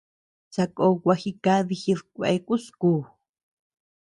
Sakó gua jikadi jidkueakus kú.